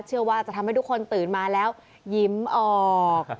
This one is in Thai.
เชื่อว่าจะทำให้ทุกคนตื่นมาแล้วยิ้มออก